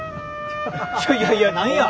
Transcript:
いやいやいや何や。